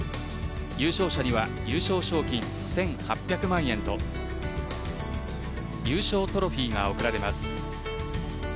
優勝者には優勝賞金１８００万円と優勝トロフィーが贈られます。